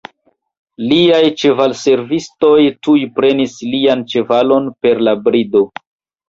Liaj ĉevalservistoj tuj prenis lian ĉevalon per la brido.